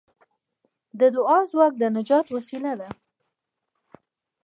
د دعا ځواک د نجات وسیله ده.